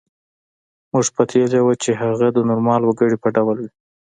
موږ پتېیلې وه چې هغه د نورمال وګړي په ډول وي